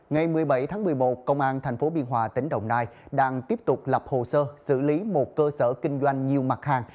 ngày một mươi bảy tháng một mươi một công an tp biên hòa tỉnh đồng nai đang tiếp tục lập hồ sơ xử lý một cơ sở kinh doanh nhiều mặt hàng